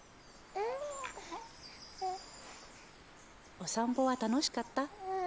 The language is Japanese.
お散歩は楽しかった？